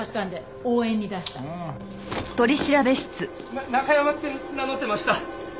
ナナカヤマって名乗ってました。